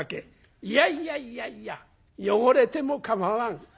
いやいやいやいや汚れても構わん」。